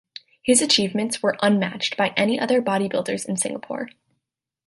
His achievements were unmatched by any other bodybuilders in Singapore.